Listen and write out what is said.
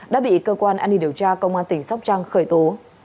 đã bị cơ quan an ninh điều tra công an tỉnh sóc trăng khởi tố